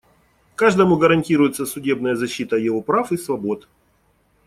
Каждому гарантируется судебная защита его прав и свобод.